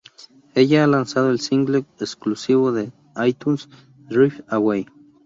Ella ha lanzado el single exclusivo de iTunes "Drift Away".